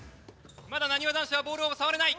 まだなにわ男子はボールを触れない。